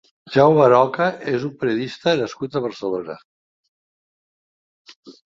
Jaume Aroca és un periodista nascut a Barcelona.